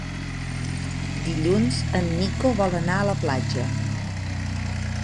Dilluns en Nico vol anar a la platja.